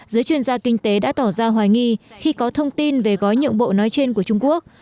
giới chuyên gia kinh tế đã tỏ ra hoài nghi khi có thông tin về gói nhượng bộ nói trên của trung quốc